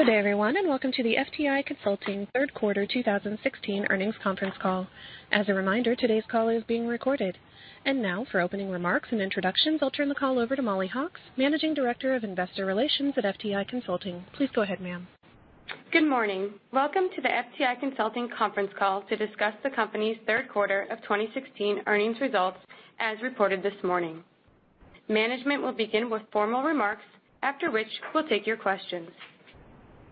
Good day, everyone. Welcome to the FTI Consulting third quarter 2016 earnings conference call. As a reminder, today's call is being recorded. Now for opening remarks and introductions, I'll turn the call over to Mollie Hawkes, Managing Director of Investor Relations at FTI Consulting. Please go ahead, ma'am. Good morning. Welcome to the FTI Consulting conference call to discuss the company's third quarter of 2016 earnings results, as reported this morning. Management will begin with formal remarks, after which we'll take your questions.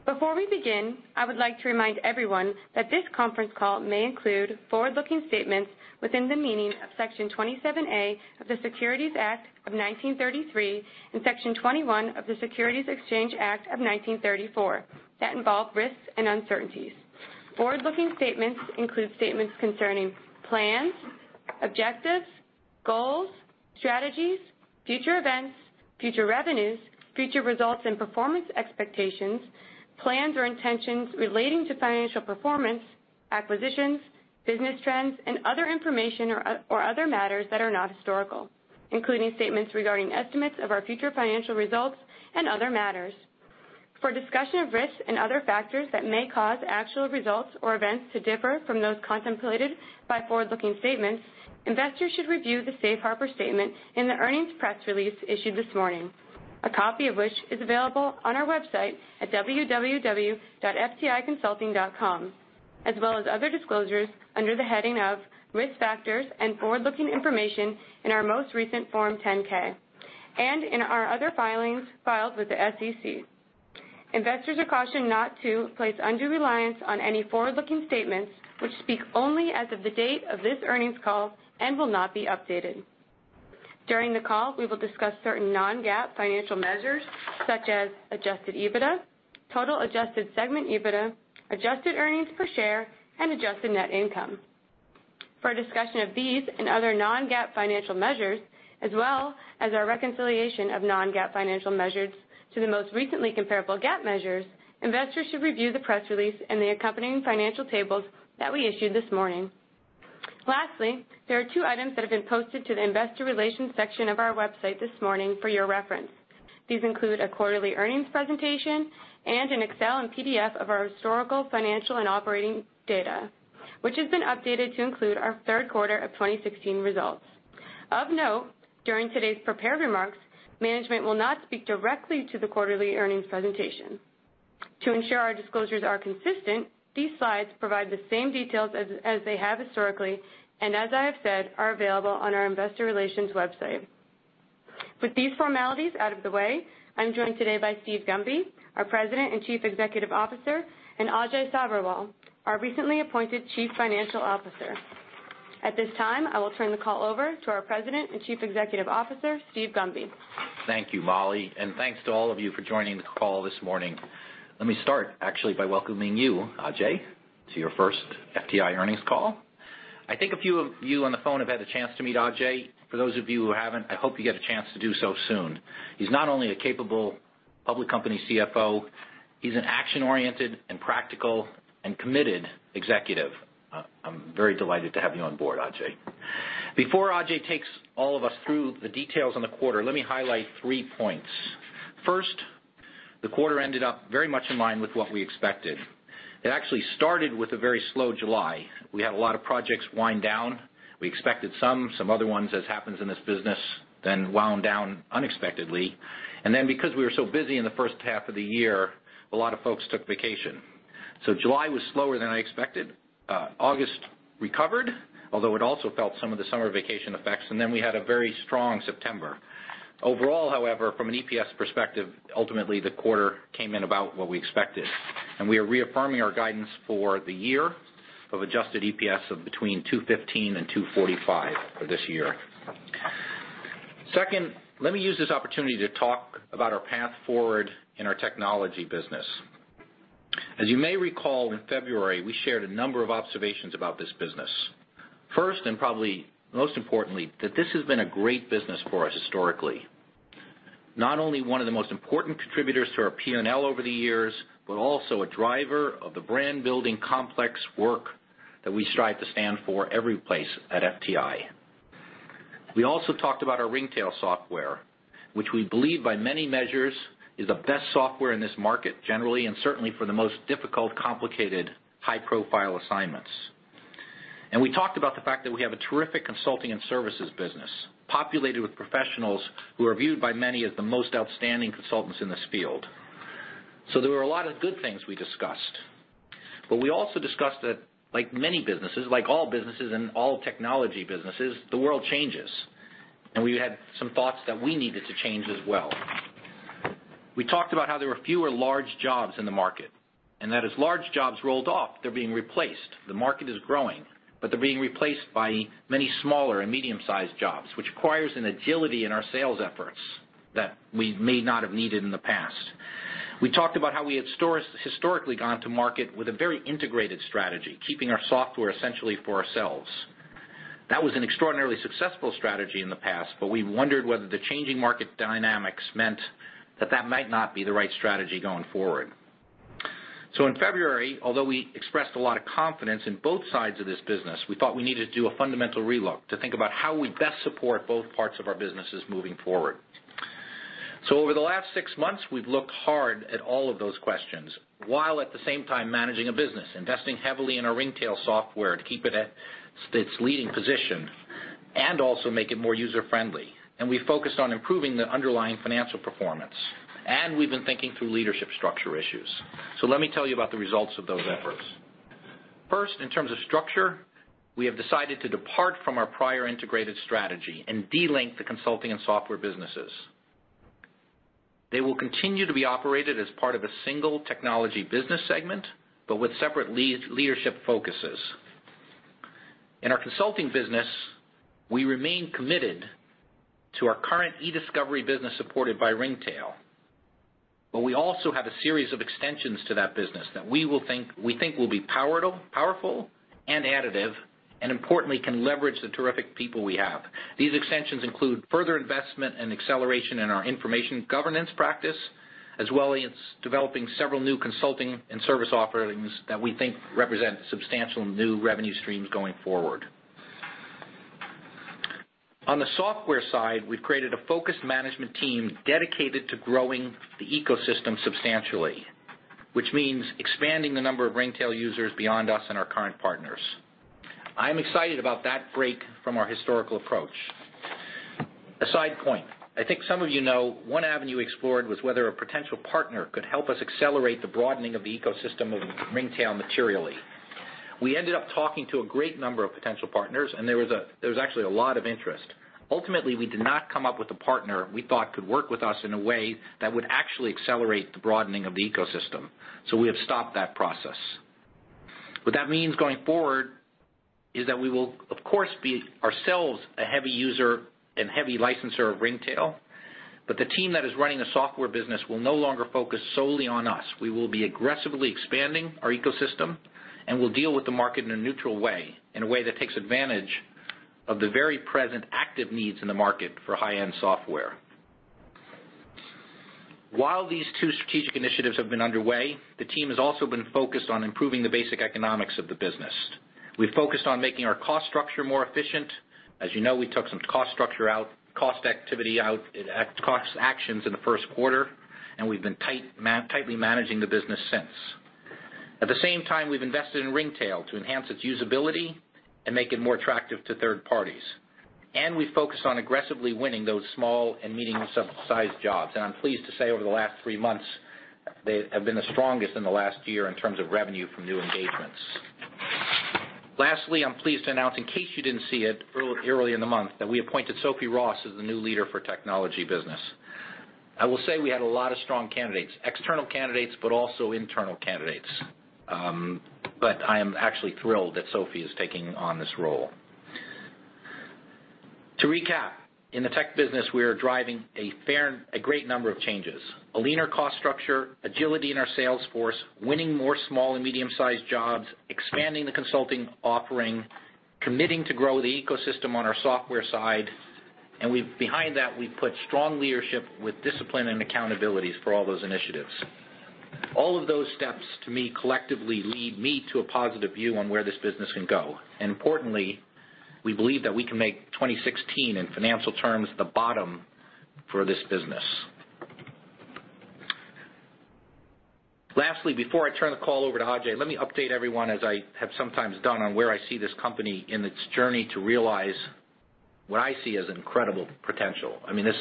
Before we begin, I would like to remind everyone that this conference call may include forward-looking statements within the meaning of Section 27A of the Securities Act of 1933 and Section 21E of the Securities Exchange Act of 1934 that involve risks and uncertainties. Forward-looking statements include statements concerning plans, objectives, goals, strategies, future events, future revenues, future results and performance expectations, plans or intentions relating to financial performance, acquisitions, business trends, and other information or other matters that are not historical, including statements regarding estimates of our future financial results and other matters. For a discussion of risks and other factors that may cause actual results or events to differ from those contemplated by forward-looking statements, investors should review the safe harbor statement in the earnings press release issued this morning, a copy of which is available on our website at www.fticonsulting.com, as well as other disclosures under the heading of Risk Factors and Forward-Looking Information in our most recent Form 10-K and in our other filings filed with the SEC. Investors are cautioned not to place undue reliance on any forward-looking statements, which speak only as of the date of this earnings call and will not be updated. During the call, we will discuss certain non-GAAP financial measures such as adjusted EBITDA, total adjusted segment EBITDA, adjusted earnings per share, and adjusted net income. For a discussion of these and other non-GAAP financial measures, as well as our reconciliation of non-GAAP financial measures to the most recently comparable GAAP measures, investors should review the press release and the accompanying financial tables that we issued this morning. Lastly, there are two items that have been posted to the investor relations section of our website this morning for your reference. These include a quarterly earnings presentation and an Excel and PDF of our historical, financial, and operating data, which has been updated to include our third quarter of 2016 results. Of note, during today's prepared remarks, management will not speak directly to the quarterly earnings presentation. To ensure our disclosures are consistent, these slides provide the same details as they have historically, as I have said, are available on our investor relations website. With these formalities out of the way, I'm joined today by Steve Gunby, our President and Chief Executive Officer, and Ajay Sabherwal, our recently appointed Chief Financial Officer. At this time, I will turn the call over to our President and Chief Executive Officer, Steve Gunby. Thank you, Mollie. Thanks to all of you for joining the call this morning. Let me start actually by welcoming you, Ajay, to your first FTI earnings call. I think a few of you on the phone have had a chance to meet Ajay. For those of you who haven't, I hope you get a chance to do so soon. He's not only a capable public company CFO, he's an action-oriented and practical and committed executive. I'm very delighted to have you on board, Ajay. Before Ajay takes all of us through the details on the quarter, let me highlight three points. First, the quarter ended up very much in line with what we expected. It actually started with a very slow July. We had a lot of projects wind down. We expected some. Some other ones, as happens in this business, then wound down unexpectedly. Because we were so busy in the first half of the year, a lot of folks took vacation. July was slower than I expected. August recovered, although it also felt some of the summer vacation effects. We had a very strong September. Overall, however, from an EPS perspective, ultimately the quarter came in about what we expected, and we are reaffirming our guidance for the year of adjusted EPS of between $2.15 and $2.45 for this year. Second, let me use this opportunity to talk about our path forward in our technology business. As you may recall, in February, we shared a number of observations about this business. First, and probably most importantly, that this has been a great business for us historically. Not only one of the most important contributors to our P&L over the years, but also a driver of the brand-building complex work that we strive to stand for every place at FTI. We also talked about our Ringtail software, which we believe by many measures is the best software in this market generally, and certainly for the most difficult, complicated, high-profile assignments. We talked about the fact that we have a terrific consulting and services business populated with professionals who are viewed by many as the most outstanding consultants in this field. There were a lot of good things we discussed. We also discussed that, like many businesses, like all businesses and all technology businesses, the world changes, and we had some thoughts that we needed to change as well. We talked about how there were fewer large jobs in the market, and that as large jobs rolled off, they're being replaced. The market is growing, but they're being replaced by many smaller and medium-sized jobs, which requires an agility in our sales efforts that we may not have needed in the past. We talked about how we had historically gone to market with a very integrated strategy, keeping our software essentially for ourselves. That was an extraordinarily successful strategy in the past, but we wondered whether the changing market dynamics meant that that might not be the right strategy going forward. In February, although we expressed a lot of confidence in both sides of this business, we thought we needed to do a fundamental relook to think about how we best support both parts of our businesses moving forward. Over the last six months, we've looked hard at all of those questions while at the same time managing a business, investing heavily in our Ringtail software to keep it at its leading position and also make it more user-friendly. We focused on improving the underlying financial performance. We've been thinking through leadership structure issues. Let me tell you about the results of those efforts. First, in terms of structure, we have decided to depart from our prior integrated strategy and de-link the consulting and software businesses. They will continue to be operated as part of a single Technology business segment, but with separate leadership focuses. In our consulting business, we remain committed to our current e-discovery business supported by Ringtail, but we also have a series of extensions to that business that we think will be powerful and additive, and importantly, can leverage the terrific people we have. These extensions include further investment and acceleration in our information governance practice, as well as developing several new consulting and service offerings that we think represent substantial new revenue streams going forward. On the software side, we've created a focused management team dedicated to growing the ecosystem substantially, which means expanding the number of Ringtail users beyond us and our current partners. I'm excited about that break from our historical approach. A side point, I think some of you know one avenue explored was whether a potential partner could help us accelerate the broadening of the ecosystem of Ringtail materially. We ended up talking to a great number of potential partners, and there was actually a lot of interest. Ultimately, we did not come up with a partner we thought could work with us in a way that would actually accelerate the broadening of the ecosystem. We have stopped that process. What that means going forward is that we will, of course, be ourselves a heavy user and heavy licenser of Ringtail, but the team that is running the software business will no longer focus solely on us. We will be aggressively expanding our ecosystem, and we'll deal with the market in a neutral way, in a way that takes advantage of the very present active needs in the market for high-end software. While these two strategic initiatives have been underway, the team has also been focused on improving the basic economics of the business. We've focused on making our cost structure more efficient. As you know, we took some cost structure out, cost activity out, cost actions in the first quarter, and we've been tightly managing the business since. At the same time, we've invested in Ringtail to enhance its usability and make it more attractive to third parties. We've focused on aggressively winning those small and medium-sized jobs. I'm pleased to say, over the last three months, they have been the strongest in the last year in terms of revenue from new engagements. I'm pleased to announce, in case you didn't see it early in the month, that we appointed Sophie Ross as the new leader for Technology business. I will say we had a lot of strong candidates, external candidates, but also internal candidates. I am actually thrilled that Sophie is taking on this role. To recap, in the Technology business, we are driving a great number of changes, a leaner cost structure, agility in our sales force, winning more small and medium-sized jobs, expanding the consulting offering, committing to grow the ecosystem on our software side. Behind that, we've put strong leadership with discipline and accountabilities for all those initiatives. All of those steps, to me, collectively lead me to a positive view on where this business can go. Importantly, we believe that we can make 2016, in financial terms, the bottom for this business. Before I turn the call over to Ajay, let me update everyone as I have sometimes done on where I see this company in its journey to realize what I see as incredible potential.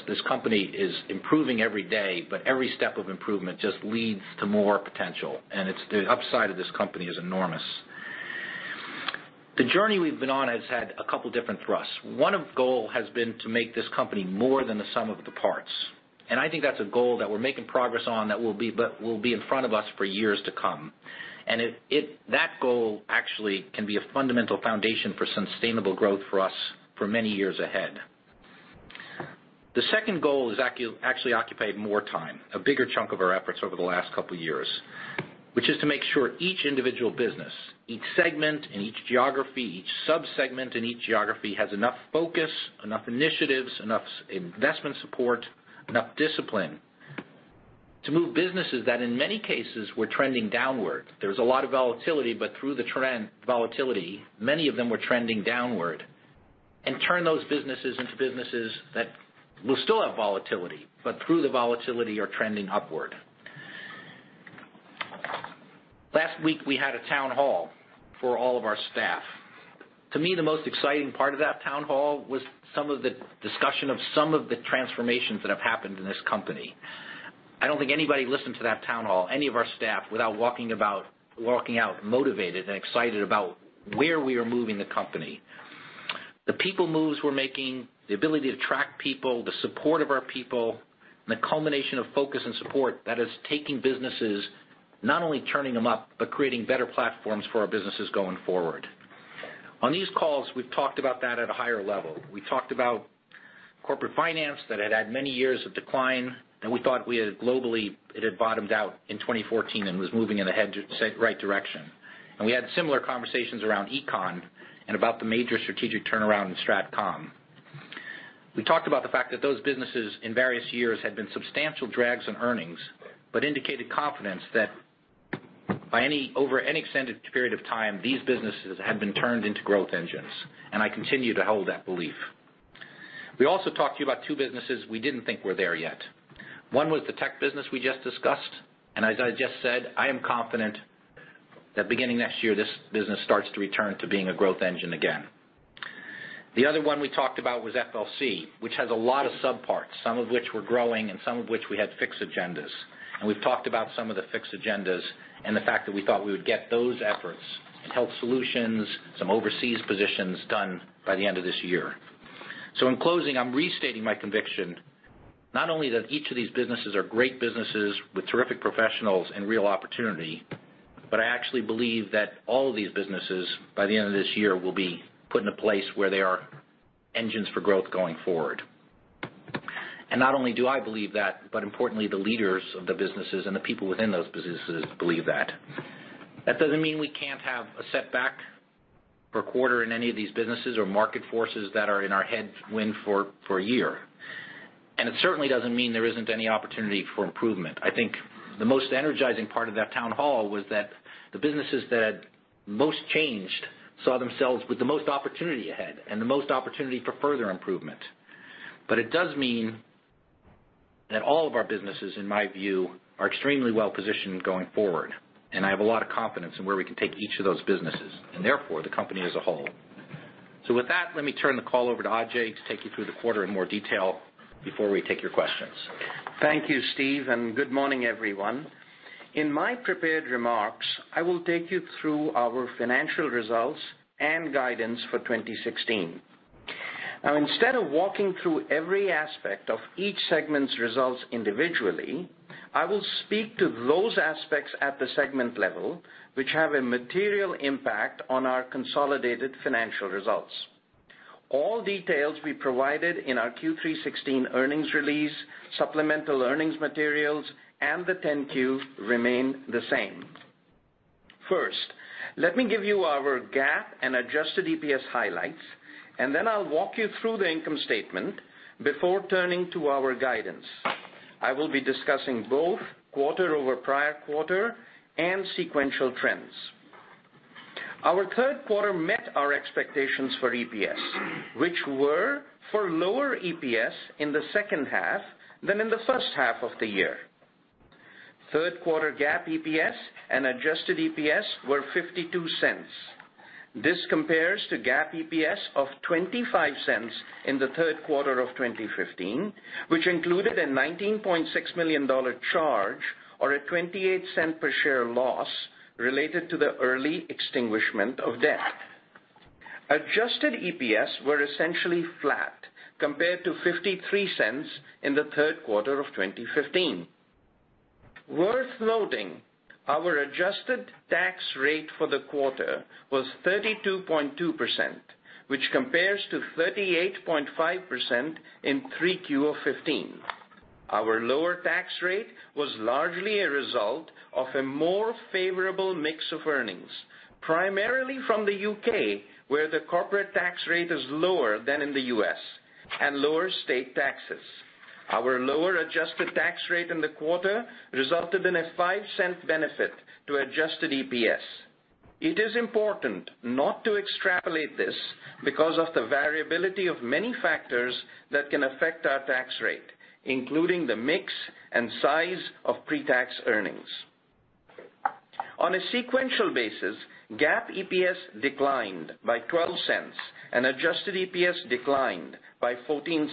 This company is improving every day, every step of improvement just leads to more potential, the upside of this company is enormous. The journey we've been on has had a couple different thrusts. One goal has been to make this company more than the sum of the parts. I think that's a goal that we're making progress on that will be in front of us for years to come. That goal actually can be a fundamental foundation for sustainable growth for us for many years ahead. The second goal has actually occupied more time, a bigger chunk of our efforts over the last couple of years, which is to make sure each individual business, each segment and each geography, each sub-segment and each geography has enough focus, enough initiatives, enough investment support, enough discipline to move businesses that in many cases were trending downward. There was a lot of volatility, through the volatility, many of them were trending downward, turn those businesses into businesses that will still have volatility, through the volatility are trending upward. We had a town hall for all of our staff. To me, the most exciting part of that town hall was some of the discussion of some of the transformations that have happened in this company. I don't think anybody listened to that town hall, any of our staff, without walking out motivated and excited about where we are moving the company. The people moves we're making, the ability to track people, the support of our people, the culmination of focus and support that is taking businesses, not only turning them up, but creating better platforms for our businesses going forward. On these calls, we've talked about that at a higher level. We talked about Corporate Finance that had had many years of decline, we thought globally it had bottomed out in 2014 and was moving in the right direction. We had similar conversations around Econ and about the major strategic turnaround in Strat Comm. We talked about the fact that those businesses in various years had been substantial drags in earnings, indicated confidence that over any extended period of time, these businesses had been turned into growth engines, I continue to hold that belief. We also talked to you about two businesses we didn't think were there yet. One was the Technology business we just discussed, as I just said, I am confident that beginning next year, this business starts to return to being a growth engine again. The other one we talked about was FLC, which has a lot of subparts, some of which were growing and some of which we had fixed agendas. We've talked about some of the fixed agendas and the fact that we thought we would get those efforts in Health Solutions, some overseas positions done by the end of this year. In closing, I'm restating my conviction, not only that each of these businesses are great businesses with terrific professionals and real opportunity, I actually believe that all of these businesses, by the end of this year, will be put in a place where they are engines for growth going forward. Not only do I believe that, importantly, the leaders of the businesses and the people within those businesses believe that. That doesn't mean we can't have a setback for a quarter in any of these businesses or market forces that are in our headwind for a year. It certainly doesn't mean there isn't any opportunity for improvement. I think the most energizing part of that town hall was that the businesses that had most changed saw themselves with the most opportunity ahead and the most opportunity for further improvement. It does mean that all of our businesses, in my view, are extremely well-positioned going forward, and I have a lot of confidence in where we can take each of those businesses, and therefore, the company as a whole. With that, let me turn the call over to Ajay to take you through the quarter in more detail before we take your questions. Thank you, Steve, and good morning, everyone. In my prepared remarks, I will take you through our financial results and guidance for 2016. Instead of walking through every aspect of each segment's results individually, I will speak to those aspects at the segment level, which have a material impact on our consolidated financial results. All details we provided in our Q3 2016 earnings release, supplemental earnings materials, and the 10-Q remain the same. First, let me give you our GAAP and adjusted EPS highlights, then I'll walk you through the income statement before turning to our guidance. I will be discussing both quarter-over-prior-quarter and sequential trends. Our third quarter met our expectations for EPS, which were for lower EPS in the second half than in the first half of the year. Third quarter GAAP EPS and adjusted EPS were $0.52. This compares to GAAP EPS of $0.25 in the third quarter of 2015, which included a $19.6 million charge or a $0.28 per share loss related to the early extinguishment of debt. Adjusted EPS were essentially flat compared to $0.53 in the third quarter of 2015. Worth noting, our adjusted tax rate for the quarter was 32.2%, which compares to 38.5% in 3Q of 2015. Our lower tax rate was largely a result of a more favorable mix of earnings, primarily from the U.K., where the corporate tax rate is lower than in the U.S., and lower state taxes. Our lower adjusted tax rate in the quarter resulted in a $0.05 benefit to adjusted EPS. It is important not to extrapolate this because of the variability of many factors that can affect our tax rate, including the mix and size of pre-tax earnings. On a sequential basis, GAAP EPS declined by $0.12, and adjusted EPS declined by $0.14.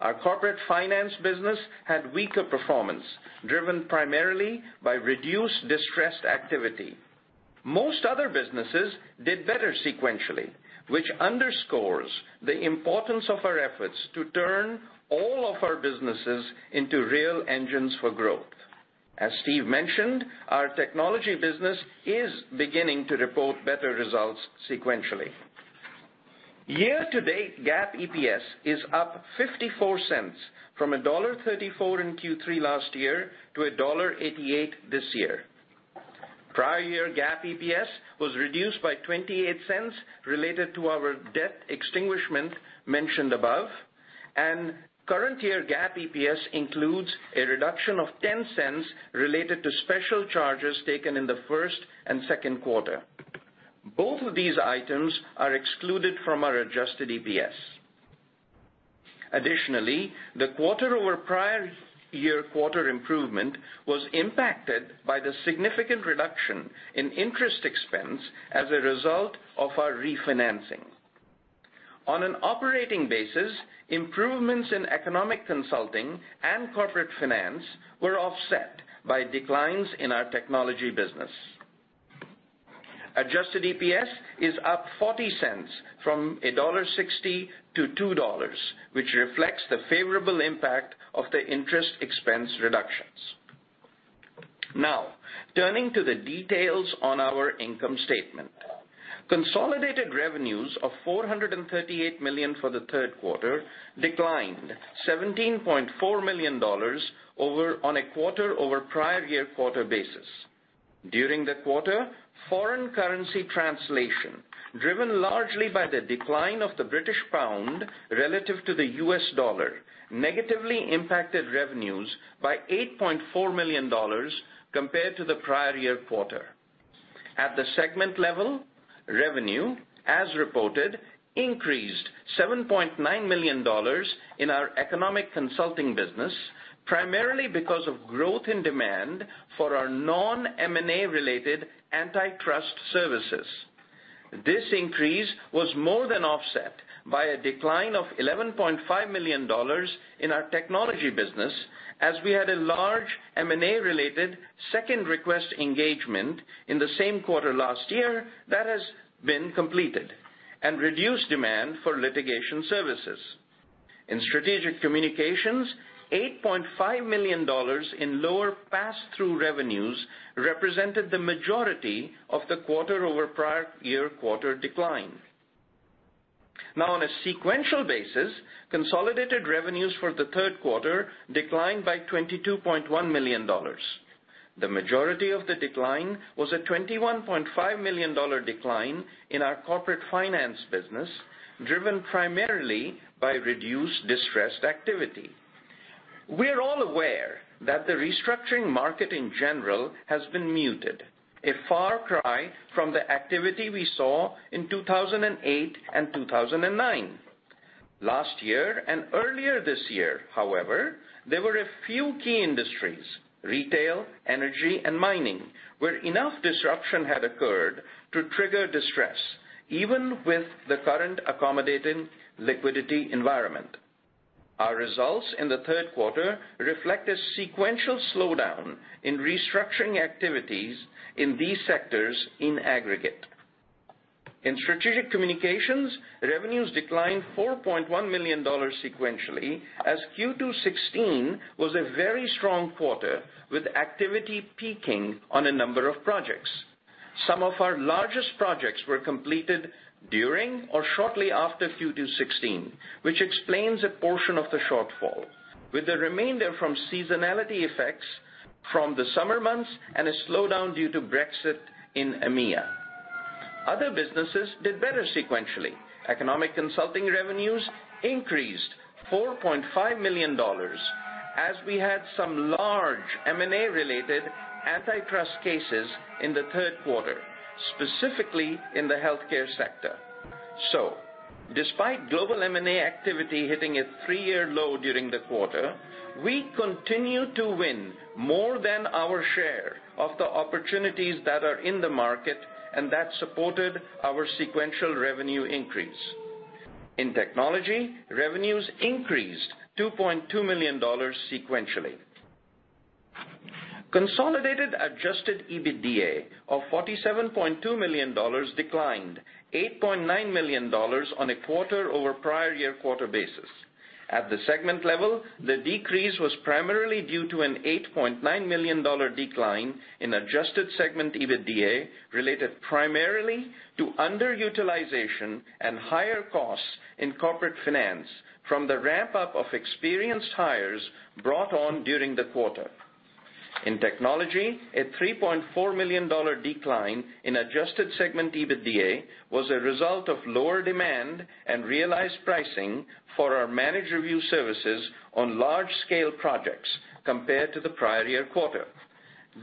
Our Corporate Finance business had weaker performance, driven primarily by reduced distressed activity. Most other businesses did better sequentially, which underscores the importance of our efforts to turn all of our businesses into real engines for growth. As Steve mentioned, our Technology business is beginning to report better results sequentially. Year-to-date GAAP EPS is up $0.54 from $1.34 in Q3 last year to $1.88 this year. Prior year GAAP EPS was reduced by $0.28 related to our debt extinguishment mentioned above, and current year GAAP EPS includes a reduction of $0.10 related to special charges taken in the first and second quarter. Both of these items are excluded from our adjusted EPS. The quarter over prior year quarter improvement was impacted by the significant reduction in interest expense as a result of our refinancing. On an operating basis, improvements in Economic Consulting and Corporate Finance were offset by declines in our Technology business. Adjusted EPS is up $0.40 from $1.60 to $2, which reflects the favorable impact of the interest expense reductions. Turning to the details on our income statement. Consolidated revenues of $438 million for the third quarter declined $17.4 million on a quarter over prior year quarter basis. During the quarter, foreign currency translation, driven largely by the decline of the British pound relative to the U.S. dollar, negatively impacted revenues by $8.4 million compared to the prior year quarter. At the segment level, revenue as reported increased $7.9 million in our Economic Consulting business, primarily because of growth in demand for our non-M&A related antitrust services. This increase was more than offset by a decline of $11.5 million in our Technology business as we had a large M&A related second request engagement in the same quarter last year that has been completed and reduced demand for litigation services. In Strategic Communications, $8.5 million in lower pass-through revenues represented the majority of the quarter over prior year quarter decline. On a sequential basis, consolidated revenues for the third quarter declined by $22.1 million. The majority of the decline was a $21.5 million decline in our Corporate Finance business, driven primarily by reduced distressed activity. We are all aware that the restructuring market in general has been muted, a far cry from the activity we saw in 2008 and 2009. Last year and earlier this year, however, there were a few key industries, retail, energy, and mining, where enough disruption had occurred to trigger distress, even with the current accommodating liquidity environment. Our results in the third quarter reflect a sequential slowdown in restructuring activities in these sectors in aggregate. In Strategic Communications, revenues declined $4.1 million sequentially, as Q2 '16 was a very strong quarter with activity peaking on a number of projects. Some of our largest projects were completed during or shortly after Q2 '16, which explains a portion of the shortfall. With the remainder from seasonality effects from the summer months and a slowdown due to Brexit in EMEA. Other businesses did better sequentially. Economic Consulting revenues increased $4.5 million as we had some large M&A related antitrust cases in the third quarter, specifically in the healthcare sector. Despite global M&A activity hitting a 3-year low during the quarter, we continue to win more than our share of the opportunities that are in the market and that supported our sequential revenue increase. In Technology, revenues increased $2.2 million sequentially. Consolidated adjusted EBITDA of $47.2 million declined $8.9 million on a quarter over prior year quarter basis. At the segment level, the decrease was primarily due to an $8.9 million decline in adjusted segment EBITDA related primarily to underutilization and higher costs in Corporate Finance from the ramp-up of experienced hires brought on during the quarter. In Technology, a $3.4 million decline in adjusted segment EBITDA was a result of lower demand and realized pricing for our managed review services on large-scale projects compared to the prior year quarter.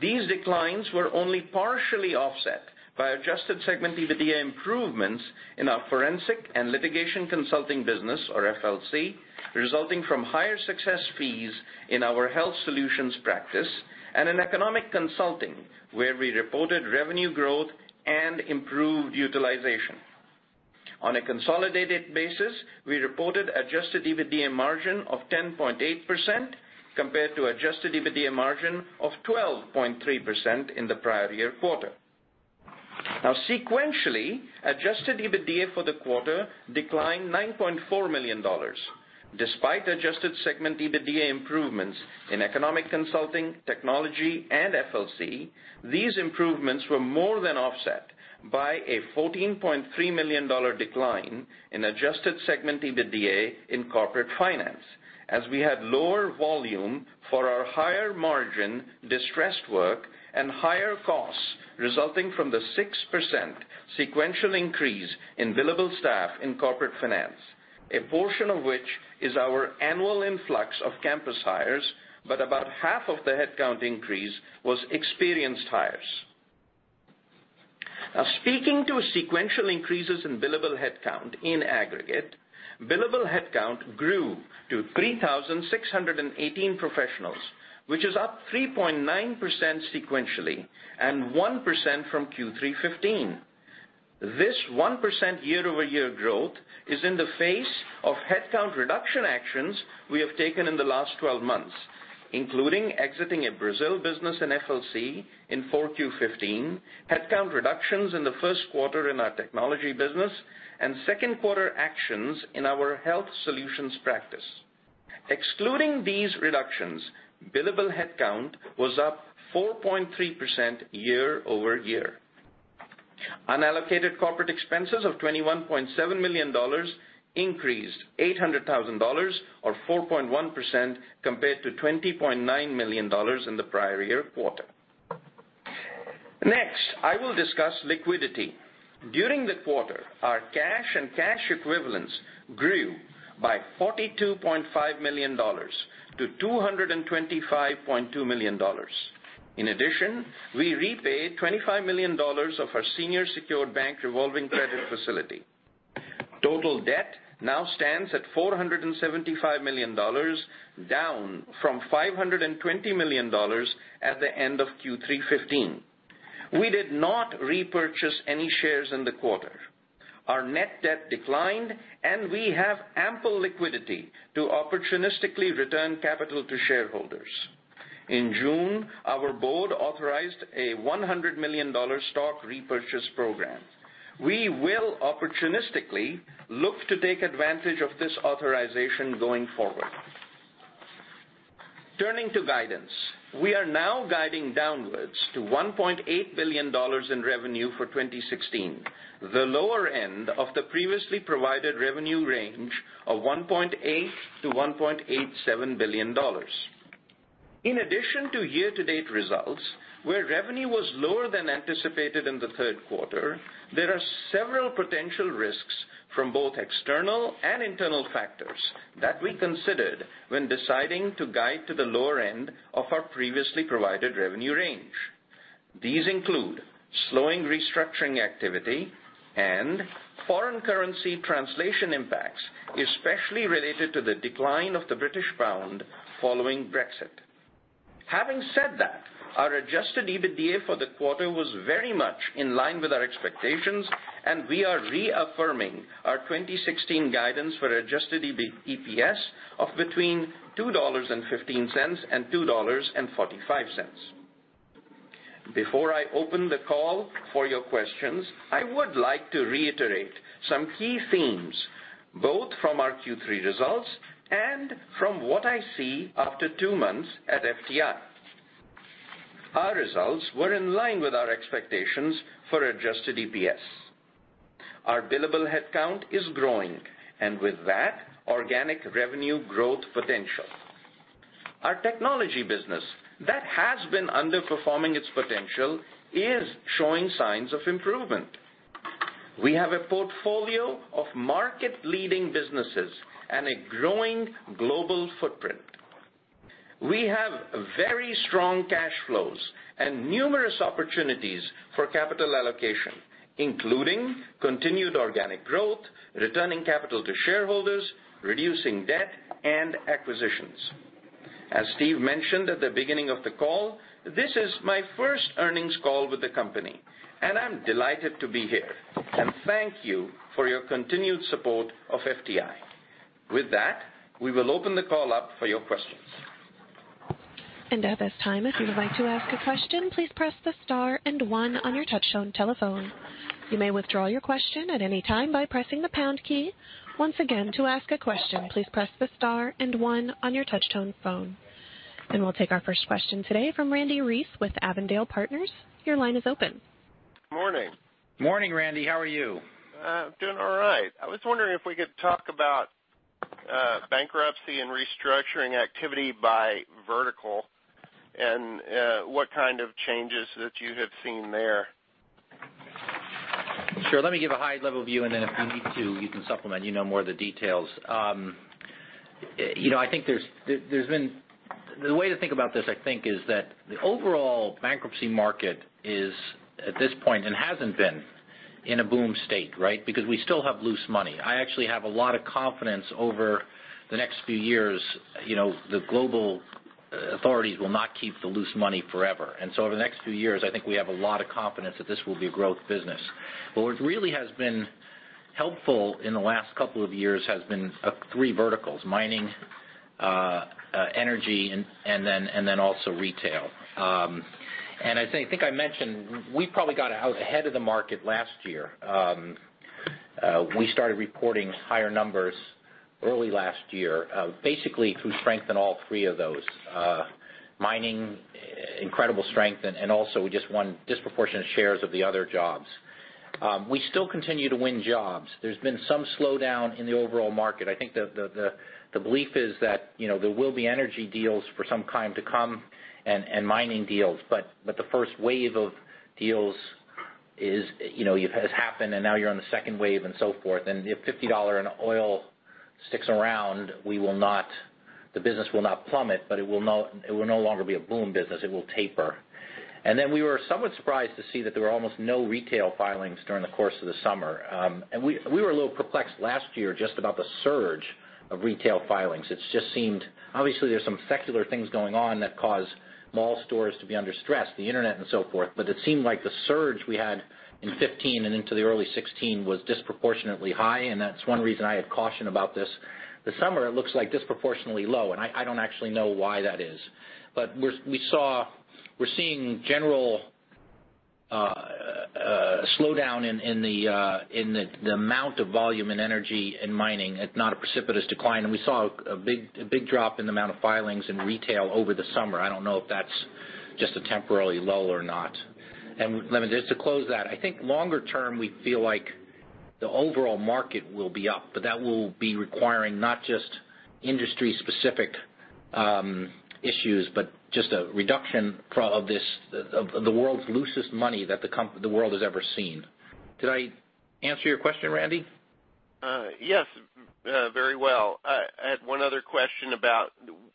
These declines were only partially offset by adjusted segment EBITDA improvements in our Forensic and Litigation Consulting business, or FLC, resulting from higher success fees in our Health Solutions practice and in Economic Consulting, where we reported revenue growth and improved utilization. On a consolidated basis, we reported adjusted EBITDA margin of 10.8% compared to adjusted EBITDA margin of 12.3% in the prior year quarter. Sequentially, adjusted EBITDA for the quarter declined $9.4 million. Despite adjusted segment EBITDA improvements in Economic Consulting, Technology, and FLC, these improvements were more than offset by a $14.3 million decline in adjusted segment EBITDA in Corporate Finance as we had lower volume for our higher margin distressed work and higher costs resulting from the 6% sequential increase in billable staff in Corporate Finance, a portion of which is our annual influx of campus hires, but about half of the headcount increase was experienced hires. Speaking to sequential increases in billable headcount in aggregate, billable headcount grew to 3,618 professionals, which is up 3.9% sequentially and 1% from Q3 '15. This 1% year-over-year growth is in the face of headcount reduction actions we have taken in the last 12 months, including exiting a Brazil business in FLC in 4Q 2015, headcount reductions in the first quarter in our Technology business, and second quarter actions in our Health Solutions practice. Excluding these reductions, billable headcount was up 4.3% year-over-year. Unallocated corporate expenses of $21.7 million increased $800,000, or 4.1%, compared to $20.9 million in the prior year quarter. Next, I will discuss liquidity. During the quarter, our cash and cash equivalents grew by $42.5 million to $225.2 million. In addition, we repaid $25 million of our senior secured bank revolving credit facility. Total debt now stands at $475 million, down from $520 million at the end of Q3 2015. We did not repurchase any shares in the quarter. Our net debt declined, we have ample liquidity to opportunistically return capital to shareholders. In June, our board authorized a $100 million stock repurchase program. We will opportunistically look to take advantage of this authorization going forward. Turning to guidance, we are now guiding downwards to $1.8 billion in revenue for 2016, the lower end of the previously provided revenue range of $1.8 billion-$1.87 billion. In addition to year-to-date results, where revenue was lower than anticipated in the third quarter, there are several potential risks from both external and internal factors that we considered when deciding to guide to the lower end of our previously provided revenue range. These include slowing restructuring activity and foreign currency translation impacts, especially related to the decline of the British pound following Brexit. Having said that, our adjusted EBITDA for the quarter was very much in line with our expectations, and we are reaffirming our 2016 guidance for adjusted EPS of between $2.15 and $2.45. Before I open the call for your questions, I would like to reiterate some key themes, both from our Q3 results and from what I see after two months at FTI. Our results were in line with our expectations for adjusted EPS. Our billable headcount is growing, and with that, organic revenue growth potential. Our Technology business that has been underperforming its potential is showing signs of improvement. We have a portfolio of market-leading businesses and a growing global footprint. We have very strong cash flows and numerous opportunities for capital allocation, including continued organic growth, returning capital to shareholders, reducing debt, and acquisitions. As Steve mentioned at the beginning of the call, this is my first earnings call with the company, and I'm delighted to be here, and thank you for your continued support of FTI. With that, we will open the call up for your questions. At this time, if you would like to ask a question, please press the star and one on your touchtone telephone. You may withdraw your question at any time by pressing the pound key. Once again, to ask a question, please press the star and one on your touchtone phone. We'll take our first question today from Randy Reece with Avondale Partners. Your line is open. Morning. Morning, Randy. How are you? I'm doing all right. I was wondering if we could talk about bankruptcy and restructuring activity by vertical and what kind of changes that you have seen there. Sure. Let me give a high-level view, and then if you need to, you can supplement. You know more of the details. The way to think about this, I think, is that the overall bankruptcy market is at this point, and hasn't been, in a boom state, right? Because we still have loose money. I actually have a lot of confidence over the next few years. The global authorities will not keep the loose money forever. So over the next few years, I think we have a lot of confidence that this will be a growth business. What really has been helpful in the last couple of years has been three verticals: mining, energy, and then also retail. I think I mentioned we probably got out ahead of the market last year. We started reporting higher numbers early last year, basically through strength in all three of those. Mining, incredible strength, also we just won disproportionate shares of the other jobs. We still continue to win jobs. There's been some slowdown in the overall market. I think the belief is that there will be energy deals for some time to come and mining deals, but the first wave of deals has happened, and now you're on the second wave and so forth. If $50 an oil sticks around, the business will not plummet, but it will no longer be a boom business. It will taper. Then we were somewhat surprised to see that there were almost no retail filings during the course of the summer. We were a little perplexed last year just about the surge of retail filings. Obviously, there's some secular things going on that cause mall stores to be under stress, the internet and so forth, but it seemed like the surge we had in 2015 and into the early 2016 was disproportionately high, and that's one reason I had caution about this. This summer, it looks disproportionately low, and I don't actually know why that is. We're seeing general slowdown in the amount of volume in energy and mining at not a precipitous decline. We saw a big drop in the amount of filings in retail over the summer. I don't know if that's just a temporary lull or not. Let me just to close that, I think longer term, we feel like the overall market will be up, but that will be requiring not just industry-specific issues, but just a reduction of the world's loosest money that the world has ever seen. Did I answer your question, Randy? Yes, very well. I had one other question about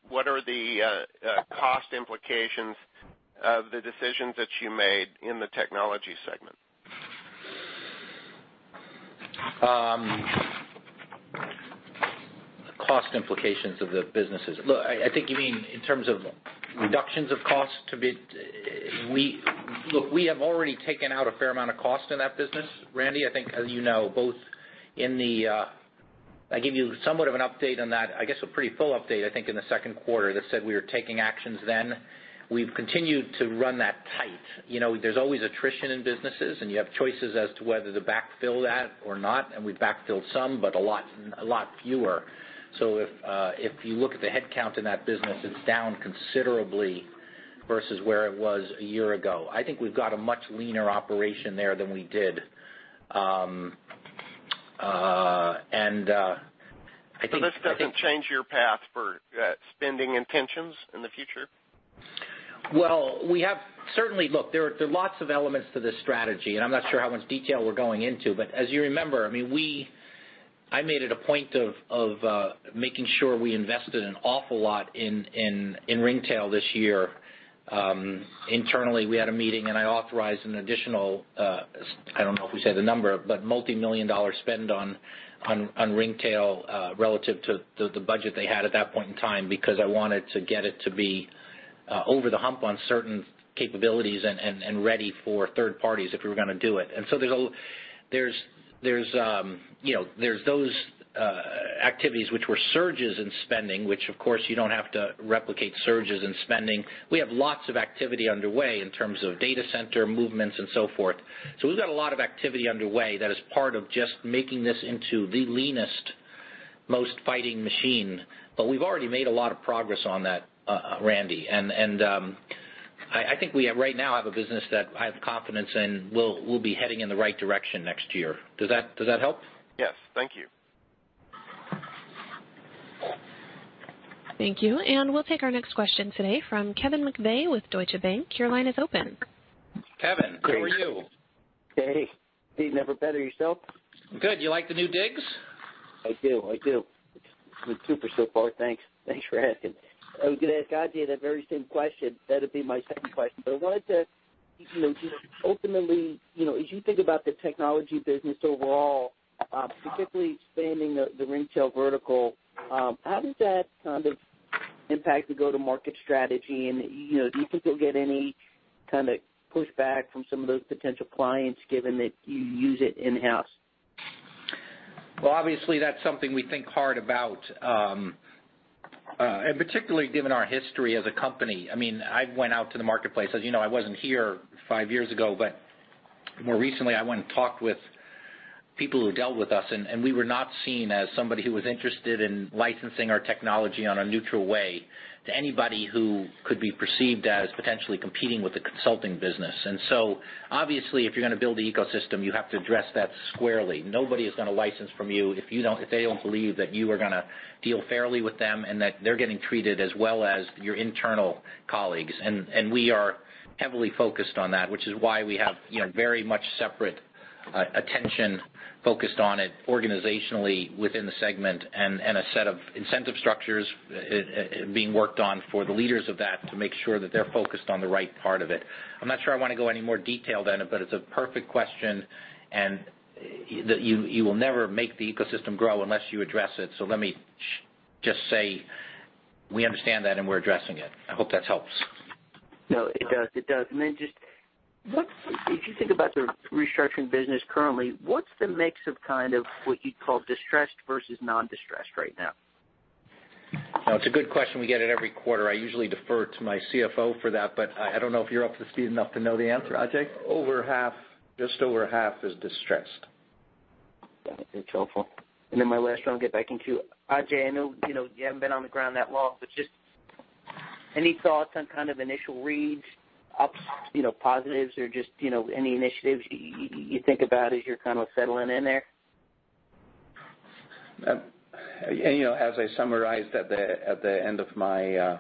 what are the cost implications of the decisions that you made in the Technology segment? Cost implications of the businesses. I think you mean in terms of reductions of cost a bit. We have already taken out a fair amount of cost in that business, Randy Reece. I think as you know, I gave you somewhat of an update on that, I guess, a pretty full update, I think, in the second quarter that said we were taking actions then. We've continued to run that tight. There's always attrition in businesses, and you have choices as to whether to backfill that or not, and we've backfilled some, but a lot fewer. If you look at the headcount in that business, it's down considerably versus where it was a year ago. I think we've got a much leaner operation there than we did. This doesn't change your path for spending intentions in the future? Certainly look, there are lots of elements to this strategy, and I'm not sure how much detail we're going into, but as you remember, I made it a point of making sure we invested an awful lot in Ringtail this year. Internally, we had a meeting, and I authorized an additional, I don't know if we say the number, but multimillion dollar spend on Ringtail, relative to the budget they had at that point in time, because I wanted to get it to be over the hump on certain capabilities and ready for third parties if we were going to do it. There's those activities which were surges in spending, which of course you don't have to replicate surges in spending. We have lots of activity underway in terms of data center movements and so forth. We've got a lot of activity underway that is part of just making this into the leanest, most fighting machine. We've already made a lot of progress on that, Randy Reece, and I think we right now have a business that I have confidence in will be heading in the right direction next year. Does that help? Yes. Thank you. Thank you. We'll take our next question today from Kevin McVeigh with Deutsche Bank. Your line is open. Kevin, how are you? Great. Hey, never better. Yourself? Good. You like the new digs? I do. I do. It's been super so far. Thanks for asking. I was going to ask Ajay Sabherwal that very same question. That'd be my second question, but I wanted to, just ultimately, as you think about the Technology business overall, specifically expanding the Ringtail vertical, how does that kind of impact the go-to-market strategy? Do you think you'll get any kind of pushback from some of those potential clients given that you use it in-house? Well, obviously, that's something we think hard about, and particularly given our history as a company. I went out to the marketplace. As you know, I wasn't here five years ago, but more recently, I went and talked with people who dealt with us, and we were not seen as somebody who was interested in licensing our Technology on a neutral way to anybody who could be perceived as potentially competing with the consulting business. So obviously, if you're going to build the ecosystem, you have to address that squarely. Nobody is going to license from you if they don't believe that you are going to deal fairly with them and that they're getting treated as well as your internal colleagues. We are heavily focused on that, which is why we have very much separate attention focused on it organizationally within the segment, and a set of incentive structures being worked on for the leaders of that to make sure that they're focused on the right part of it. I'm not sure I want to go any more detailed than it, but it's a perfect question, and you will never make the ecosystem grow unless you address it. Let me just say we understand that, and we're addressing it. I hope that helps. Then just, if you think about the restructuring business currently, what's the mix of kind of what you'd call distressed versus non-distressed right now? It's a good question we get it every quarter. I usually defer to my CFO for that. I don't know if you're up to speed enough to know the answer, Ajay. Over half, just over half is distressed. Got it. That's helpful. Then my last one will get back in queue. Ajay, I know you haven't been on the ground that long, just any thoughts on kind of initial reads, ups, positives or just any initiatives you think about as you're kind of settling in there? As I summarized at the end of my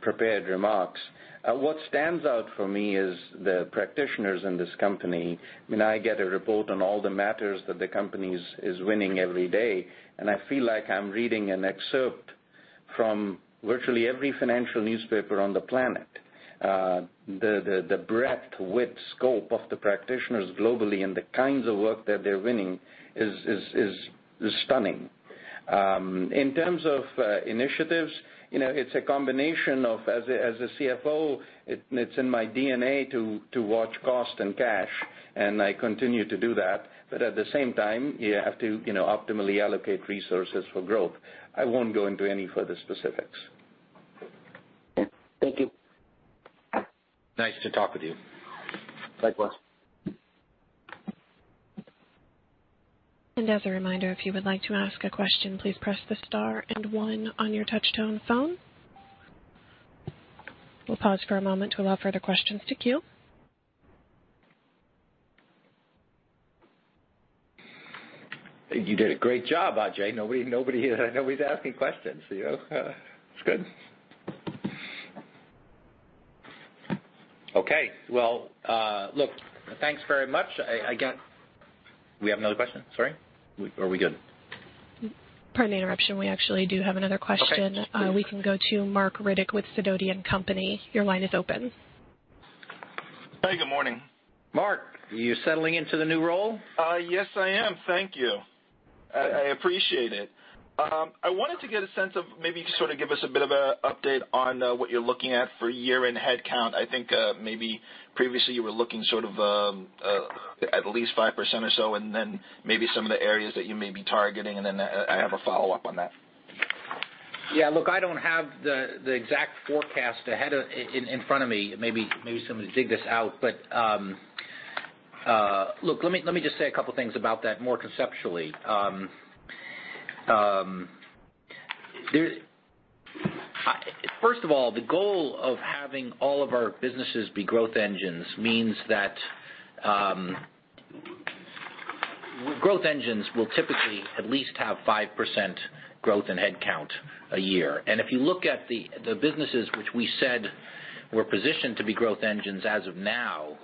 prepared remarks, what stands out for me is the practitioners in this company. I get a report on all the matters that the company is winning every day, and I feel like I'm reading an excerpt from virtually every financial newspaper on the planet. The breadth, width, scope of the practitioners globally and the kinds of work that they're winning is stunning. In terms of initiatives, it's a combination of, as a CFO, it's in my DNA to watch cost and cash, and I continue to do that. At the same time, you have to optimally allocate resources for growth. I won't go into any further specifics. Thank you. Nice to talk with you. Likewise. As a reminder, if you would like to ask a question, please press the star and one on your touchtone phone. We'll pause for a moment to allow further questions to queue. You did a great job, Ajay. Nobody's asking questions. It's good. Okay. Well, look, thanks very much. Again. We have another question? Sorry. Or are we good? Pardon the interruption. We actually do have another question. Okay. We can go to Marc Riddick with Sidoti & Company. Your line is open. Hey, good morning. Marc, you settling into the new role? Yes, I am. Thank you. I appreciate it. I wanted to get a sense of maybe you could sort of give us a bit of a update on what you're looking at for year-end headcount. I think maybe previously you were looking sort of at least 5% or so, and then maybe some of the areas that you may be targeting, and then I have a follow-up on that. Yeah, look, I don't have the exact forecast in front of me. Maybe somebody can dig this out. Look, let me just say a couple things about that more conceptually. First of all, the goal of having all of our businesses be growth engines means that growth engines will typically at least have 5% growth in headcount a year. If you look at the businesses which we said were positioned to be growth engines as of now,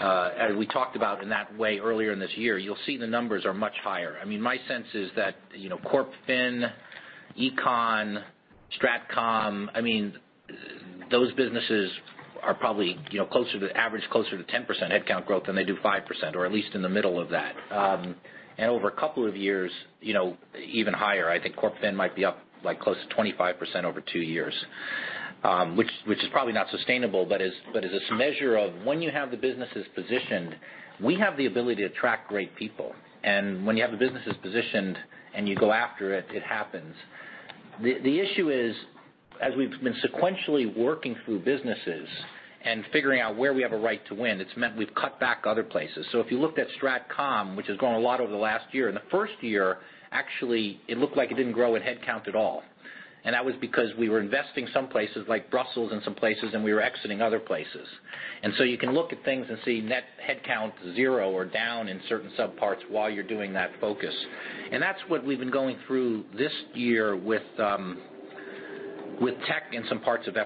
as we talked about in that way earlier in this year, you'll see the numbers are much higher. My sense is that CorpFin, Econ, Strat Comm, those businesses are probably average closer to 10% headcount growth than they do 5%, or at least in the middle of that. Over a couple of years, even higher. I think CorpFin might be up close to 25% over two years, which is probably not sustainable, but as this measure of when you have the businesses positioned, we have the ability to attract great people. When you have the businesses positioned and you go after it happens. The issue is, as we've been sequentially working through businesses and figuring out where we have a right to win, it's meant we've cut back other places. If you looked at Strat Comm, which has grown a lot over the last year, in the first year, actually, it looked like it didn't grow in headcount at all. That was because we were investing some places like Brussels and some places, and we were exiting other places. So you can look at things and see net headcount zero or down in certain sub-parts while you're doing that focus. That's what we've been going through this year with tech and some parts of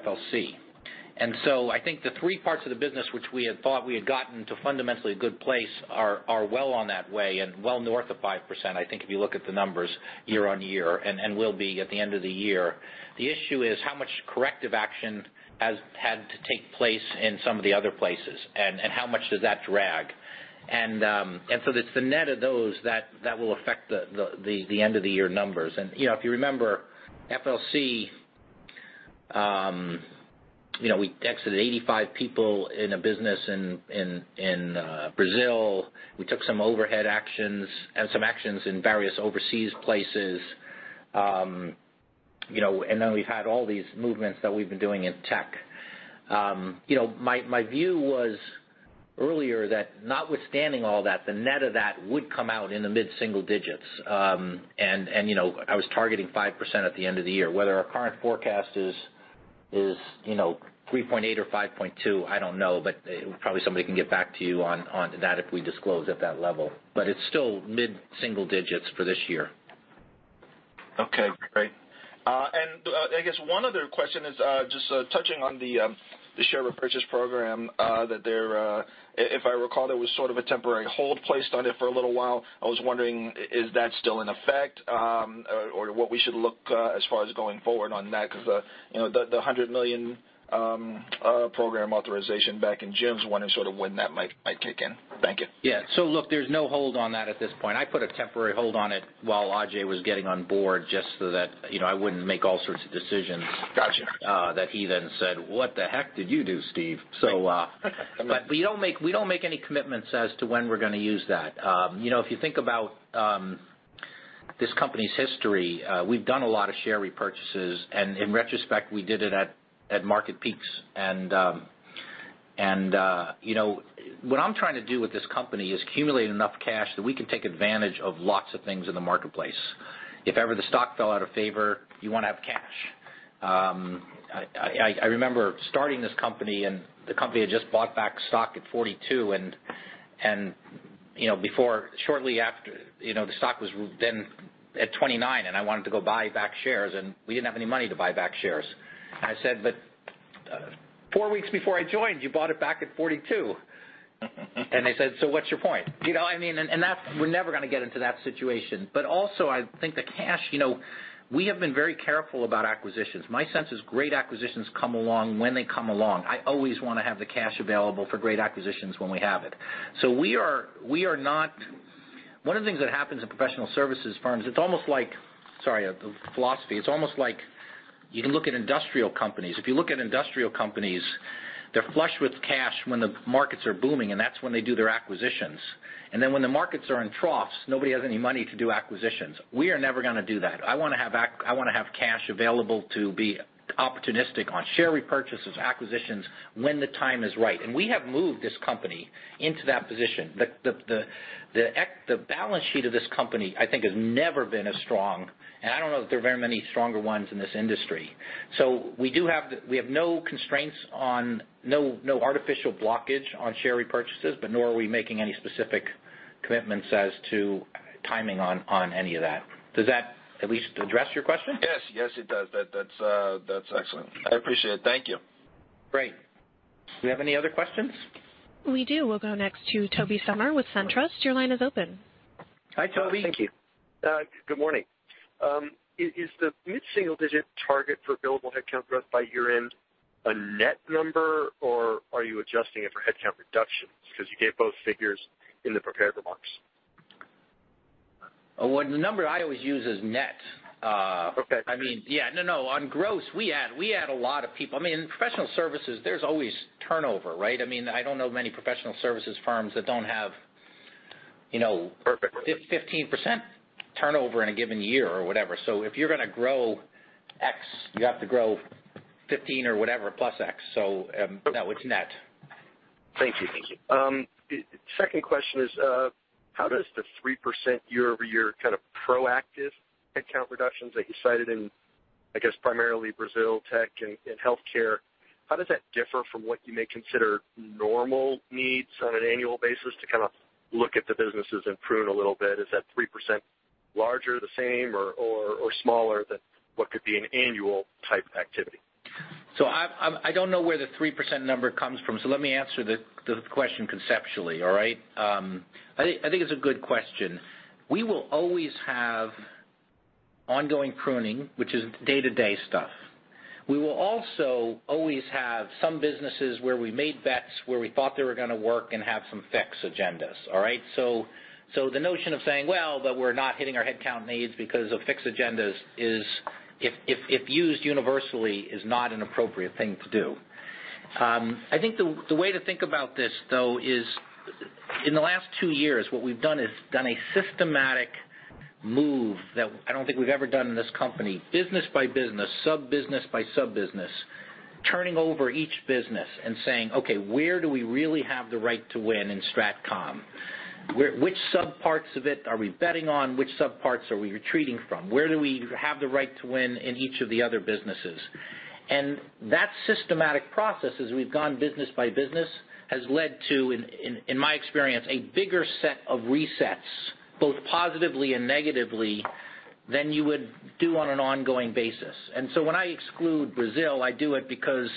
FLC. I think the three parts of the business which we had thought we had gotten to fundamentally a good place are well on that way and well north of 5%, I think if you look at the numbers year-on-year, and will be at the end of the year. The issue is how much corrective action has had to take place in some of the other places, and how much does that drag. It's the net of those that will affect the end of the year numbers. If you remember FLC, we exited 85 people in a business in Brazil. We took some overhead actions and some actions in various overseas places, and then we've had all these movements that we've been doing in tech. My view was earlier that notwithstanding all that, the net of that would come out in the mid-single digits. I was targeting 5% at the end of the year. Whether our current forecast is 3.8 or 5.2, I don't know, but probably somebody can get back to you on that if we disclose at that level. It's still mid-single digits for this year. Okay, great. I guess one other question is just touching on the share repurchase program that there, if I recall, there was sort of a temporary hold placed on it for a little while. I was wondering, is that still in effect, or what we should look as far as going forward on that, because the $100 million program authorization back in June, was wanting sort of when that might kick in. Thank you. Yeah. Look, there's no hold on that at this point. I put a temporary hold on it while Ajay was getting on board, just so that I wouldn't make all sorts of decisions- Got you We don't make any commitments as to when we're going to use that. If you think about this company's history, we've done a lot of share repurchases, and in retrospect, we did it at market peaks. What I'm trying to do with this company is accumulate enough cash that we can take advantage of lots of things in the marketplace. If ever the stock fell out of favor, you want to have cash. I remember starting this company, and the company had just bought back stock at 42, and shortly after, the stock was then at 29, and I wanted to go buy back shares, and we didn't have any money to buy back shares. I said, "But four weeks before I joined, you bought it back at 42." They said, "So what's your point?" We're never going to get into that situation. Also, I think the cash, we have been very careful about acquisitions. My sense is great acquisitions come along when they come along. I always want to have the cash available for great acquisitions when we have it. One of the things that happens in professional services firms, it's almost like. Sorry, the philosophy. It's almost like you look at industrial companies. If you look at industrial companies, they're flush with cash when the markets are booming, and that's when they do their acquisitions. When the markets are in troughs, nobody has any money to do acquisitions. We are never going to do that. I want to have cash available to be opportunistic on share repurchases, acquisitions, when the time is right. We have moved this company into that position. The balance sheet of this company, I think, has never been as strong, and I don't know that there are very many stronger ones in this industry. We have no constraints on. No artificial blockage on share repurchases, nor are we making any specific commitments as to timing on any of that. Does that at least address your question? Yes, it does. That's excellent. I appreciate it. Thank you. Great. Do we have any other questions? We do. We'll go next to Tobey Sommer with SunTrust. Your line is open. Hi, Tobey. Thank you. Good morning. Is the mid-single-digit target for billable headcount growth by year-end a net number, or are you adjusting it for headcount reductions? Because you gave both figures in the prepared remarks. Well, the number I always use is net. Okay. I mean, yeah. No, on gross, we add a lot of people. In professional services, there's always turnover, right? I don't know many professional services firms that don't have- Perfect 15% turnover in a given year or whatever. If you're going to grow X, you have to grow 15 or whatever plus X. No, it's net. Thank you. Second question is, how does the 3% year-over-year kind of proactive headcount reductions that you cited in, I guess, primarily Brazil, tech, and healthcare, how does that differ from what you may consider normal needs on an annual basis to kind of look at the businesses and prune a little bit? Is that 3% larger, the same, or smaller than what could be an annual type activity? I don't know where the 3% number comes from, let me answer the question conceptually, all right? I think it's a good question. We will always have ongoing pruning, which is day-to-day stuff. We will also always have some businesses where we made bets, where we thought they were going to work and have some fixed agendas. All right? The notion of saying, "Well, but we're not hitting our headcount needs because of fixed agendas" is, if used universally, is not an appropriate thing to do. I think the way to think about this, though, is in the last two years, what we've done is done a systematic move that I don't think we've ever done in this company, business by business, sub business by sub business, turning over each business and saying, "Okay, where do we really have the right to win in Strat Comm? Which sub parts of it are we betting on? Which sub parts are we retreating from? Where do we have the right to win in each of the other businesses?" That systematic process, as we've gone business by business, has led to, in my experience, a bigger set of resets, both positively and negatively, than you would do on an ongoing basis. When I exclude Brazil, I do it because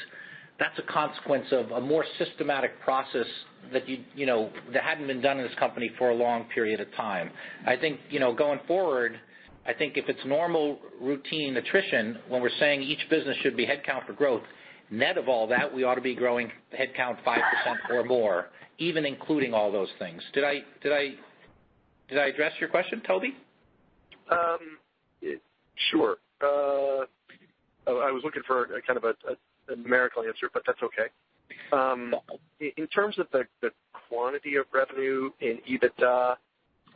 that's a consequence of a more systematic process that hadn't been done in this company for a long period of time. I think, going forward, I think if it's normal routine attrition, when we're saying each business should be headcount for growth, net of all that, we ought to be growing headcount 5% or more, even including all those things. Did I address your question, Tobey? Sure. I was looking for a kind of a numerical answer, but that's okay. In terms of the quantity of revenue in EBITDA,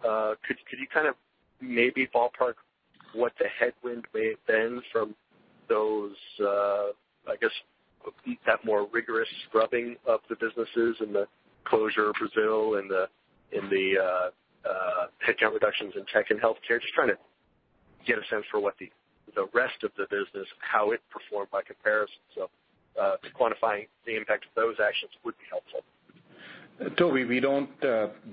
could you kind of maybe ballpark what the headwind may have been from those, I guess, that more rigorous scrubbing of the businesses and the closure of Brazil and the headcount reductions in tech and healthcare? Just trying to get a sense for what the rest of the business, how it performed by comparison. Quantifying the impact of those actions would be helpful. Tobey, we don't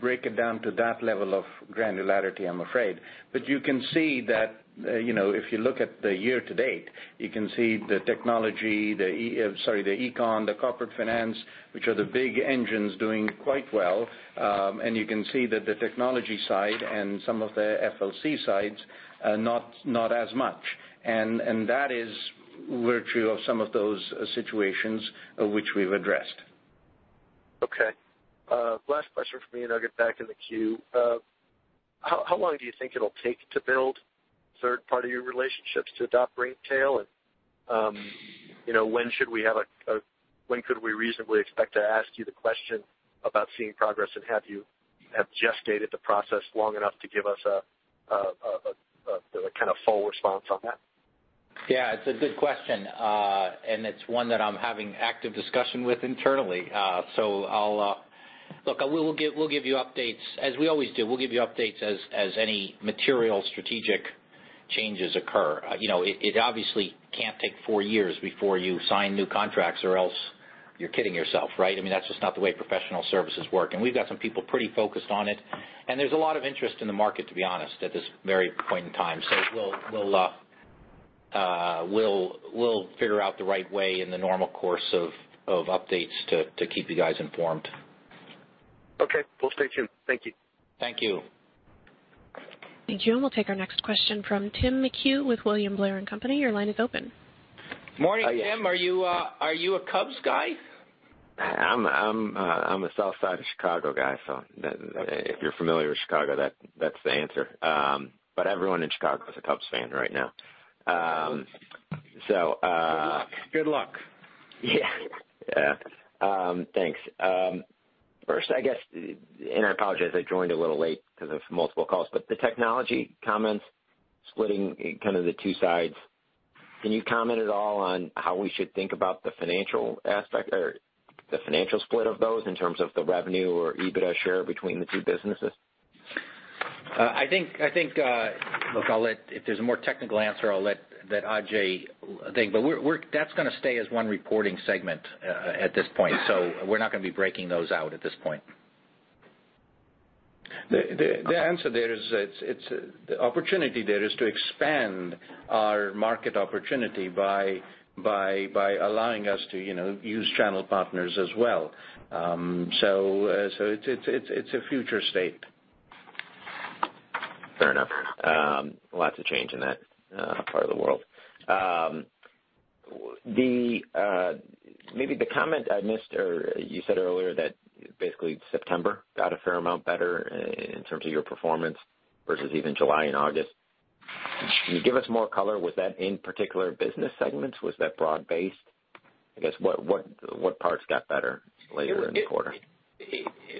break it down to that level of granularity, I'm afraid. You can see that if you look at the year to date, you can see the Technology, sorry, the Econ, the Corporate Finance, which are the big engines doing quite well. You can see that the Technology side and some of the FLC sides are not as much, and that is virtue of some of those situations which we've addressed. Okay. Last question from me, I'll get back in the queue. How long do you think it'll take to build third party relationships to adopt Ringtail? When could we reasonably expect to ask you the question about seeing progress and have you gestated the process long enough to give us a kind of full response on that? Yeah, it's a good question, it's one that I'm having active discussion with internally. Look, we'll give you updates, as we always do. We'll give you updates as any material strategic changes occur. It obviously can't take four years before you sign new contracts or else you're kidding yourself, right? That's just not the way professional services work. We've got some people pretty focused on it, there's a lot of interest in the market, to be honest, at this very point in time. We'll figure out the right way in the normal course of updates to keep you guys informed. Okay. We'll stay tuned. Thank you. Thank you. Thank you. We'll take our next question from Tim McHugh with William Blair & Company. Your line is open. Morning, Tim. Are you a Cubs guy? I'm a South Side of Chicago guy. If you're familiar with Chicago, that's the answer. Everyone in Chicago is a Cubs fan right now. Good luck. Yeah. Thanks. First, I guess, I apologize, I joined a little late because of multiple calls, The Technology comments splitting kind of the two sides, can you comment at all on how we should think about the financial aspect or the financial split of those in terms of the revenue or EBITDA share between the two businesses? I think, look, if there's a more technical answer, I'll let Ajay think. That's going to stay as one reporting segment at this point. We're not going to be breaking those out at this point. The answer there is, the opportunity there is to expand our market opportunity by allowing us to use channel partners as well. It's a future state. Fair enough. Lots of change in that part of the world. Maybe the comment I missed, or you said earlier that basically September got a fair amount better in terms of your performance versus even July and August. Can you give us more color? Was that in particular business segments? Was that broad-based? I guess, what parts got better later in the quarter?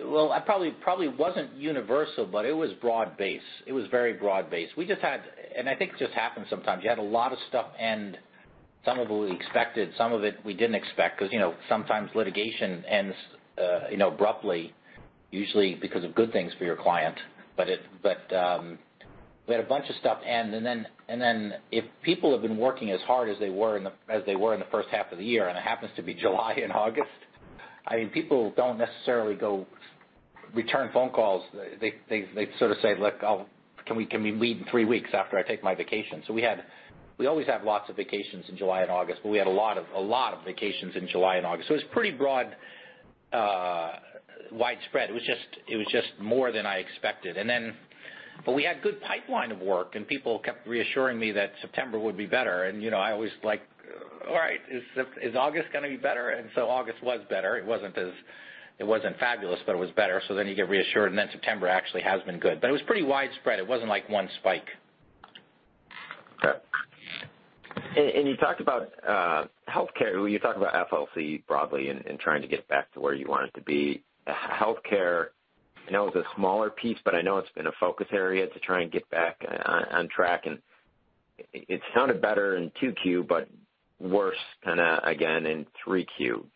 Well, probably wasn't universal, but it was broad-based. It was very broad-based. We just had, and I think it just happens sometimes. You had a lot of stuff end, some of it we expected, some of it we didn't expect, because sometimes litigation ends abruptly, usually because of good things for your client. We had a bunch of stuff end, and then if people have been working as hard as they were in the first half of the year, and it happens to be July and August, I mean, people don't necessarily go return phone calls. They sort of say, "Look, can we lead in three weeks after I take my vacation?" We always have lots of vacations in July and August, but we had a lot of vacations in July and August. It's pretty broad, widespread. It was just more than I expected. We had good pipeline of work, and people kept reassuring me that September would be better. I was like, "All right. Is August going to be better?" August was better. It wasn't fabulous, but it was better. You get reassured, and then September actually has been good. It was pretty widespread. It wasn't like one spike. Okay. You talked about healthcare. Well, you talked about FLC broadly and trying to get back to where you want it to be. Healthcare, I know is a smaller piece, but I know it's been a focus area to try and get back on track, and it sounded better in 2Q, but worse kind of, again, in 3Q. Do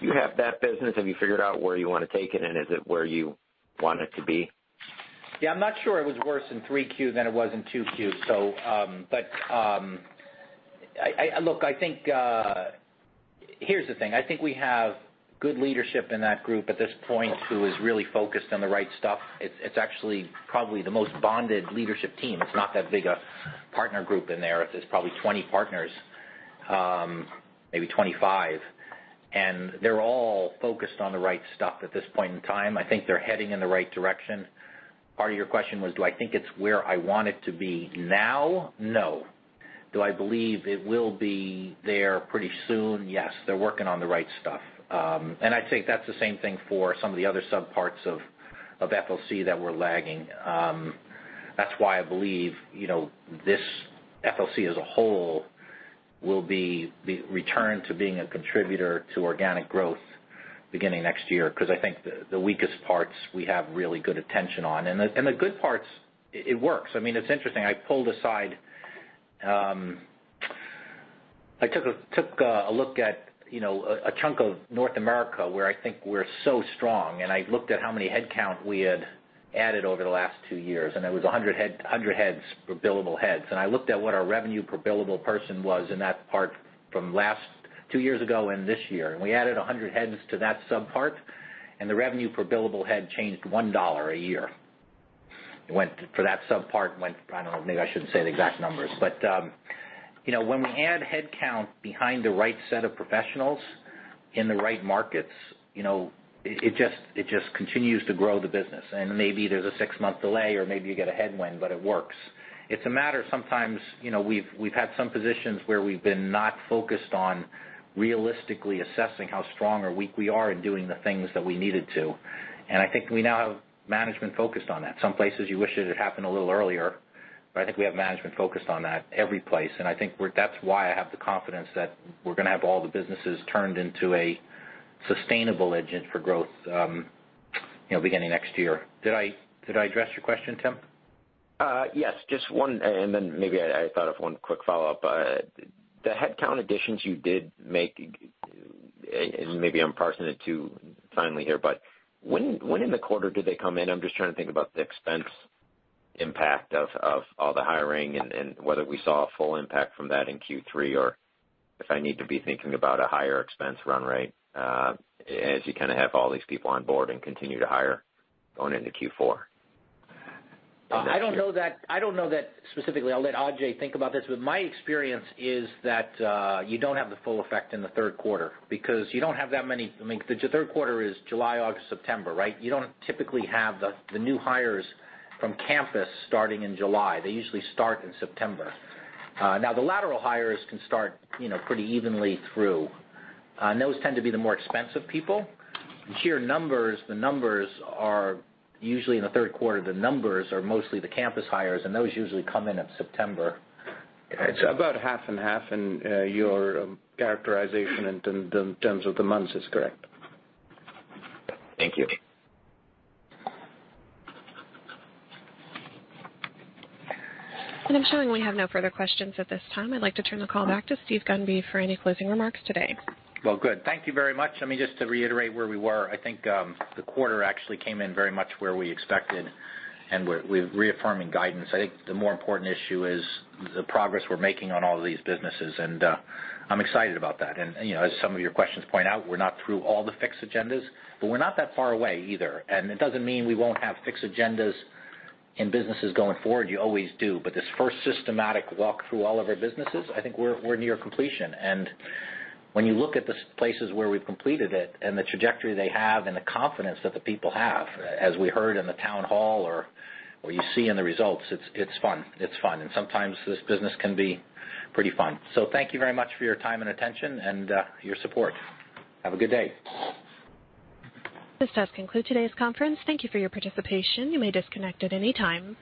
you have that business? Have you figured out where you want to take it, and is it where you want it to be? Look, here's the thing. I think we have good leadership in that group at this point who is really focused on the right stuff. It's actually probably the most bonded leadership team. It's not that big a partner group in there. There's probably 20 partners, maybe 25, and they're all focused on the right stuff at this point in time. I think they're heading in the right direction. Part of your question was, do I think it's where I want it to be now? No. Do I believe it will be there pretty soon? Yes. They're working on the right stuff. I think that's the same thing for some of the other subparts of FLC that we're lagging. That's why I believe FLC as a whole will be returned to being a contributor to organic growth beginning next year, because I think the weakest parts we have really good attention on. The good parts, it works. I mean, it's interesting. I took a look at a chunk of North America where I think we're so strong, and I looked at how many headcount we had added over the last two years, and it was 100 billable heads. I looked at what our revenue per billable person was in that part from two years ago and this year, and we added 100 heads to that subpart, and the revenue per billable head changed $1 a year. For that subpart, I don't know, maybe I shouldn't say the exact numbers. When we add headcount behind the right set of professionals in the right markets, it just continues to grow the business, maybe there's a six-month delay or maybe you get a headwind, but it works. It's a matter sometimes, we've had some positions where we've been not focused on realistically assessing how strong or weak we are in doing the things that we needed to, I think we now have management focused on that. Some places you wish it had happened a little earlier, I think we have management focused on that every place. I think that's why I have the confidence that we're going to have all the businesses turned into a sustainable engine for growth beginning next year. Did I address your question, Tim? Yes. Just one, maybe I thought of one quick follow-up. The headcount additions you did make, maybe I'm parsing it too finely here, but when in the quarter did they come in? I'm just trying to think about the expense impact of all the hiring and whether we saw a full impact from that in Q3 or if I need to be thinking about a higher expense run rate as you kind of have all these people on board and continue to hire going into Q4. I don't know that specifically. I'll let Ajay Sabherwal think about this. My experience is that you don't have the full effect in the third quarter because you don't have that many. I mean, the third quarter is July, August, September, right? You don't typically have the new hires from campus starting in July. They usually start in September. Those tend to be the more expensive people. Here, the numbers are usually in the third quarter. The numbers are mostly the campus hires, and those usually come in at September. It's about half and half. Your characterization in terms of the months is correct. Thank you. I'm showing we have no further questions at this time. I'd like to turn the call back to Steve Gunby for any closing remarks today. Well, good. Thank you very much. I mean, just to reiterate where we were, I think the quarter actually came in very much where we expected, and we're reaffirming guidance. I think the more important issue is the progress we're making on all of these businesses, and I'm excited about that. As some of your questions point out, we're not through all the fixed agendas, but we're not that far away either. It doesn't mean we won't have fixed agendas in businesses going forward. You always do. This first systematic walk through all of our businesses, I think we're near completion. When you look at the places where we've completed it and the trajectory they have and the confidence that the people have, as we heard in the town hall or you see in the results, it's fun. Sometimes this business can be pretty fun. Thank you very much for your time and attention and your support. Have a good day. This does conclude today's conference. Thank you for your participation. You may disconnect at any time.